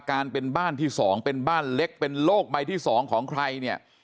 การเป็นบ้านที่๒เป็นบ้านเล็กเป็นโลกใบที่๒ของใครเนี่ย